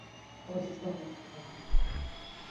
Alles is dochs oan it feroarjen.